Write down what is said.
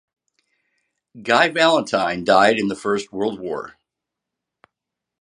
Guy Valentine died in the First World War.